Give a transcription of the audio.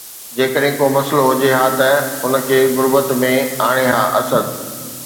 جيڪڏهن ڪو مسئلو هجي ها ته ان کي غربت ۾ آڻي ها“ اسد